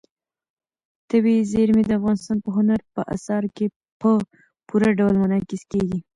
طبیعي زیرمې د افغانستان په هنر په اثار کې په پوره ډول منعکس کېږي.